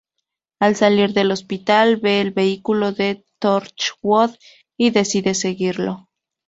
Al salir del hospital, ve el vehículo de Torchwood, y decide seguirlo.